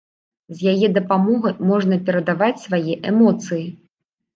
З яе дапамогай можна перадаваць свае эмоцыі.